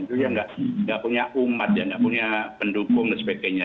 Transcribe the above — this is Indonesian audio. itu ya tidak punya umat tidak punya pendukung dan sebagainya